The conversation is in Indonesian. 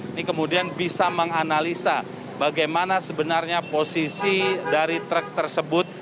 ini kemudian bisa menganalisa bagaimana sebenarnya posisi dari truk tersebut